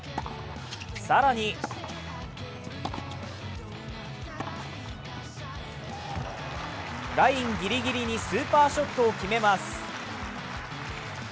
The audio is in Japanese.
更にラインぎりぎりにスーパーショットを決めます。